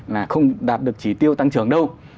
là không đạt được chỉ tiêu tăng trưởng đâu